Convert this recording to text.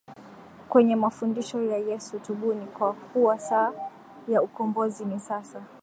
kwenye mafundisho ya YesuTubuni kwa kuwa saa ya ukombozi ni sasa